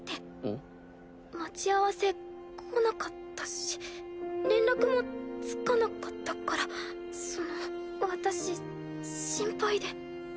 ん？待ち合わせ来なかったし連絡もつかなかったからその私心配で。